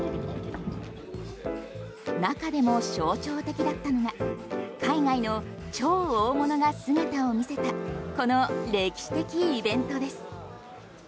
中でも象徴的だったのが海外の超大物が姿を見せたこの歴史的イベントです。